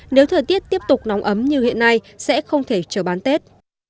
nếu thời tiết tiếp tục nóng ấm như hiện nay sẽ không thể chờ bán tết